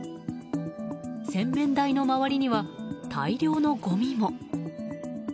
洗面台の周りには大量のごみも。